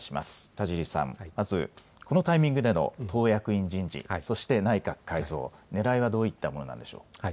田尻さん、まずこのタイミングでの党役員人事、そして内閣改造、ねらいはどういったものなんでしょう。